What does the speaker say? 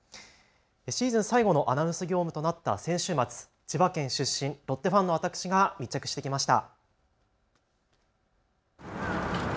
シーズン最後のアナウンス業務となった先週末、千葉県出身、ロッテファンの私が密着してきました。